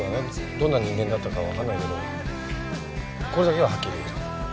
どんな人間だったかわからないけどこれだけははっきり言える。